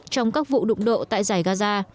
trong các vụ đụng độ tại giải gaza